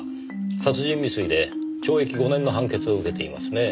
殺人未遂で懲役５年の判決を受けていますねぇ。